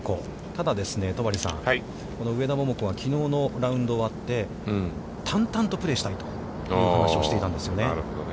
ただですね、戸張さん、上田桃子は、きのうのラウンドを終わって、淡々とプレーしたいという話をしていたんですね。